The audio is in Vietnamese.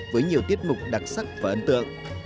với nhiều tiết mục đặc sắc và ấn tượng